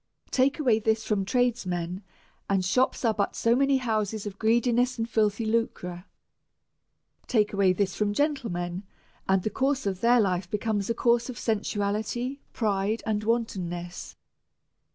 Take away this from tradesmen, and shops are but so many houses of greediness and filthy lucre. Take away this from gentlemen, and the course of their life becomes a suurce of sensuaiiiy, pride, and wantonness.